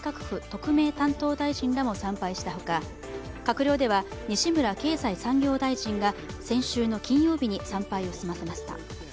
特命担当大臣らも参拝したほか閣僚では西村経済産業大臣が先週の金曜日に参拝を済ませました。